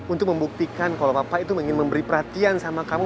untuk membuktikan kalau bapak itu ingin memberi perhatian sama kamu